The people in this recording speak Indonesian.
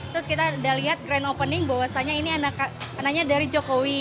terus kita udah lihat grand opening bahwasannya ini anaknya dari jokowi